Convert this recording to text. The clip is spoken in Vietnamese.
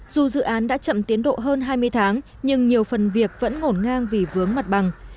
dù dự án đã chậm tiến độ hơn hai mươi tháng nhưng nhiều phần việc vẫn ngổn ngang vì vướng mặt bằng